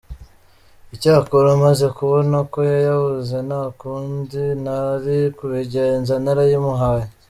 Icyakora maze kubona ko yayabuze nta kundi nari kubigenza narayimuhaye.